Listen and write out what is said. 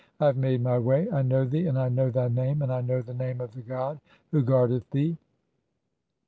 I have made [my] way. I know thee, and I know "thy name, and I know the name of the god (14) who guardeth "thee.